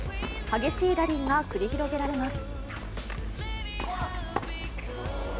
激しいラリーが繰り広げられます。